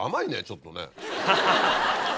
ちょっとね。